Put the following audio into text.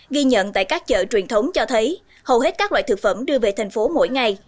ghi nhận tại các chợ truyền thống cho thấy hầu hết các loại thực phẩm đưa về thành phố mỗi ngày